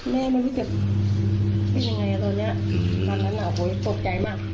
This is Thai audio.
อ๋อแม่มันไม่เจ็บวิ่งยังไงตอนเนี้ยวันนั้นน่ะโหยโต๊ะใจมาก